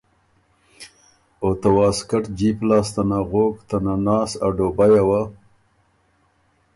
او ته واسکټ جیب لاسته نغوک ته نناس ا ډوبیه وه